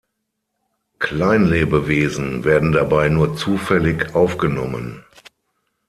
Kleinlebewesen werden dabei nur zufällig aufgenommen.